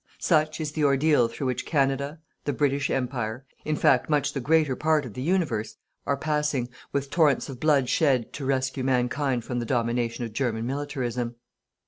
Such is the ordeal through which Canada, the British Empire, in fact much the greater part of the universe, are passing with torrents of blood shed to rescue Mankind from the domination of German militarism.